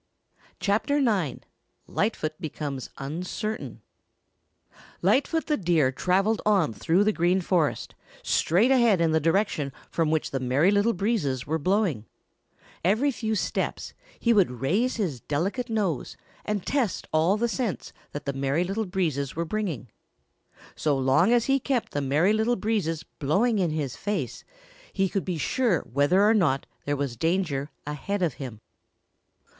CHAPTER IX LIGHTFOOT BECOMES UNCERTAIN Lightfoot the Deer traveled on through the Green Forest, straight ahead in the direction from which the Merry Little Breezes were blowing. Every few steps he would raise his delicate nose and test all the scents that the Merry Little Breezes were bringing. So long as he kept the Merry Little Breezes blowing in his face, he could be sure whether or not there was danger ahead of him.